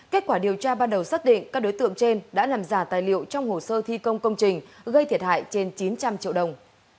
kết quả điều tra ban đầu xác định các đối tượng trên đã làm giả tài liệu trong hồ sơ thi công công trình gây thiệt hại trên chín trăm linh triệu đồng